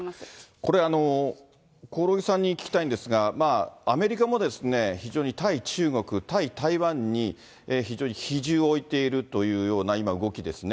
これ、興梠さんに聞きたいんですが、アメリカも非常に対中国、対台湾に非常に比重を置いているというような、今、動きですね。